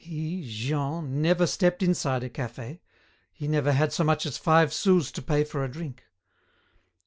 He, Jean, never stepped inside a cafe, he never had so much as five sous to pay for a drink.